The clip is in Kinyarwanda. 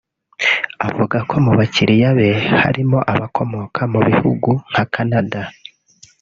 Avuga ko mu bakiliya be harimo abakomoka mu bihugu nka Canada